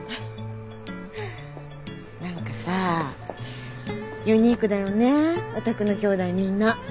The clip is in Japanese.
何かさユニークだよねお宅のきょうだいみんな。